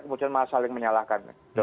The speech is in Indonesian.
kemudian masalah yang menyalahkan